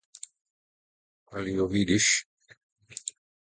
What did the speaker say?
Ali jo vidiš?